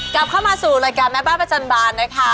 กลับเข้ามาสู่รายการแม่บ้านประจำบานนะคะ